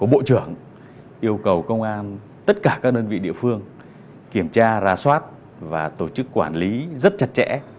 bộ trưởng yêu cầu công an tất cả các đơn vị địa phương kiểm tra ra soát và tổ chức quản lý rất chặt chẽ